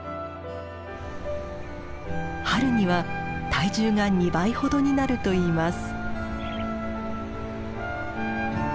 春には体重が２倍ほどになるといいます。